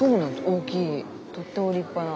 大きいとっても立派な。